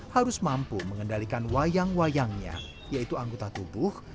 harus mampu mengendalikan wayang wayangnya yaitu anggota tubuh